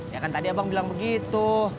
ya kan tadi abang bilang begitu